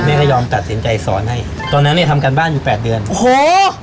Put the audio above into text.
แม่ก็ยอมตัดสินใจสอนให้ตอนนั้นเนี่ยทำการบ้านอยู่แปดเดือนโอ้โห